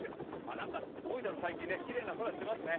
何か大分の佐伯、きれいな空してますね。